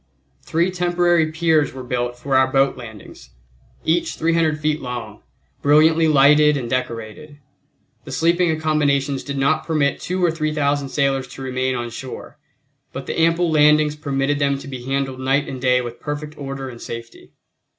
Three temporary piers were built for our boat landings, each 300 feet long, brilliantly lighted and decorated. The sleeping accommodations did not permit two or three thousand sailors to remain on shore, but the ample landings permitted them to be handled night and day with perfect order and safety.